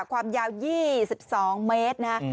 ความยาว๒๒เมตรนะฮะ